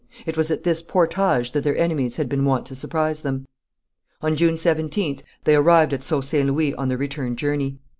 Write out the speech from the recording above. It was at this portage that their enemies had been wont to surprise them. On June 17th they arrived at Sault St. Louis on their return journey.